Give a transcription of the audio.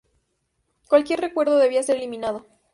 Cualquier recuerdo debía ser eliminado.